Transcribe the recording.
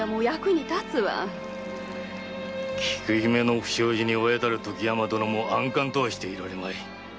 菊姫の不祥事に親たる時山殿も安閑とはしていられまい。